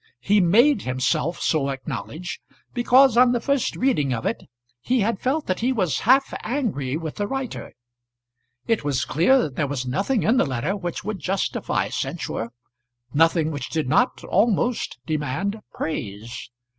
He made himself so acknowledge, because on the first reading of it he had felt that he was half angry with the writer. It was clear that there was nothing in the letter which would justify censure; nothing which did not, almost, demand praise.